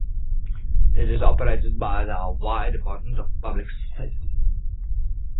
It is operated by the Hawaii Department of Public Safety.